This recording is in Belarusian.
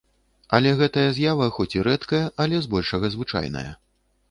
Але гэтая з'ява хоць і рэдкая, але збольшага звычайная.